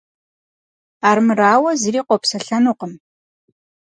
Армырауэ, зыри къопсэлъэнукъым.